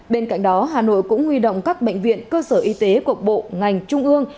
bên cạnh đó hà nội cũng huy động các bệnh viện cơ sở y tế của bộ ngành trung ương